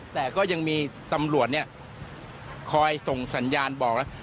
แต่ก็ยังมีตำรวจเนี่ยคอยส่งสัญญาณบอกแล้ว